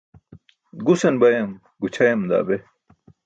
Gusan bayam gućʰayam daa be.